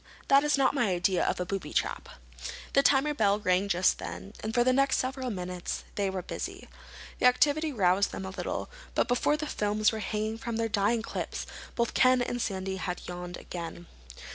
"That is not my idea of a booby trap." The timer bell rang just then, and for the next several minutes they were busy. The activity roused them a little, but before the films were hanging from their drying clips both Ken and Sandy had yawned again.